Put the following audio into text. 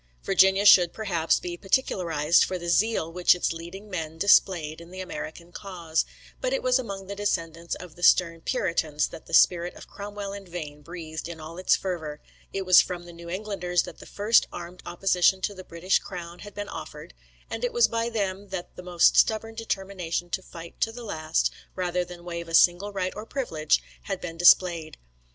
Virginia should, perhaps, be particularised for the zeal which its leading men displayed in the American cause; but it was among the descendants of the stern Puritans that the spirit of Cromwell and Vane breathed in all its fervour; it was from the New Englanders that the first armed opposition to the British crown had been offered; and it was by them that the most stubborn determination to fight to the last, rather than waive a single right or privilege, had been displayed.